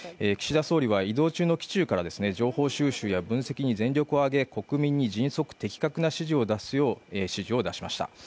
岸田総理は移動中の機中から情報収集や分析に全力をあげ、国民に迅速・的確に情報を出すよう指示しました。